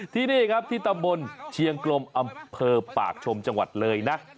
ที่นี่ครับที่ตำบลเชียงกลมอำเภอปากชมจังหวัดเลยนะ